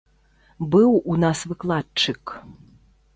Быў у нас выкладчык.